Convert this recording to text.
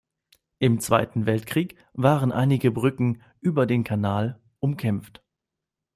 Im Zweiten Weltkrieg waren einige Brücken über den Kanal umkämpft.